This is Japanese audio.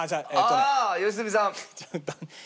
ああっ良純さん。